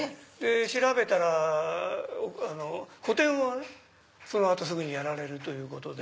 調べたら個展をその後すぐにやられるということで。